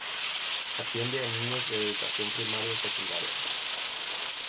Atiende a niños de educación primaria y secundaria.